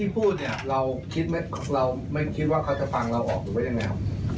พูดเนี่ยเราไม่คิดว่าเขาก็จะฟังเราออกไว้ยังไง